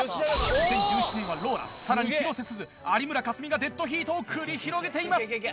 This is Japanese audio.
２０１７年はローラさらに広瀬すず有村架純がデッドヒートを繰り広げています！